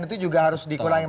itu juga harus dikurangi